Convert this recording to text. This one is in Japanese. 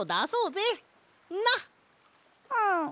うん。